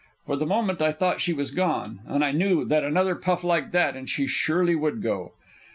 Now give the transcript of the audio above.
For the moment I thought she was gone, and I knew that another puff like that and she surely would go.